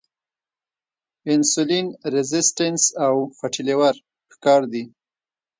انسولین ريزسټنس او فېټي لیور ښکار دي -